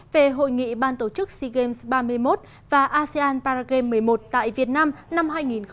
về hội nghị ban tổ chức sea games ba mươi một và asean paragame một mươi một tại việt nam năm hai nghìn hai mươi